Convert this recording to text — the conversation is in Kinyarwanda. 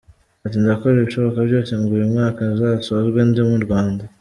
Ati “Ndakora ibishoboka byose ngo uyu mwaka uzasozwe ndi mu Rwanda.